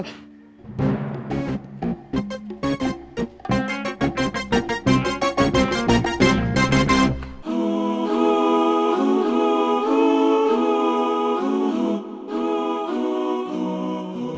tidak pernah bang ustadz